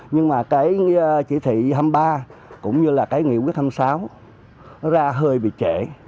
nhưng mà cái chỉ thị hai mươi ba cũng như là cái nghị quyết hai mươi sáu ra hơi bị trễ